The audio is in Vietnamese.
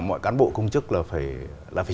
mọi cán bộ công chức là phải